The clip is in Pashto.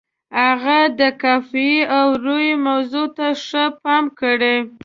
هغه د قافیې او روي موضوع ته ښه پام کړی.